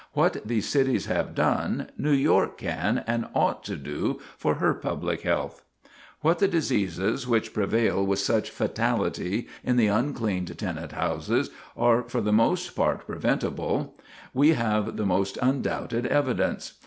What these cities have done, New York can and ought to do for her public health. [Sidenote: A Town That Was Immune] What the diseases which prevail with such fatality in the uncleaned tenant houses are for the most part preventable, we have the most undoubted evidence.